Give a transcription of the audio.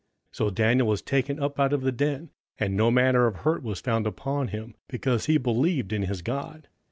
So Daniel was taken up out of the den, and no manner of hurt was found upon him, because he believed in his God.